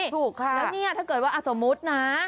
แล้วนี่ถ้าเกิดว่าสมมตินะ